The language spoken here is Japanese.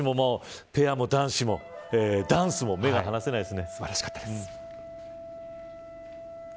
女子もペアも男子もダンスも目が離せないですね。